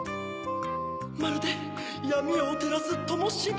まるでやみよをてらすともしび。